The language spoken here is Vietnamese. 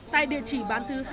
tại địa chỉ bán thứ hai